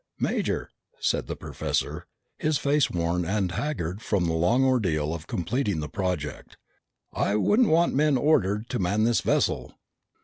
"Major," said the professor, his face worn and haggard from the long ordeal of completing the project, "I wouldn't want men ordered to man this vessel."